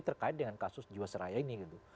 terkait dengan kasus jiwa seraya ini gitu